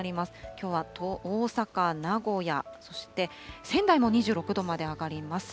きょうは大阪、名古屋、そして仙台も２６度まで上がります。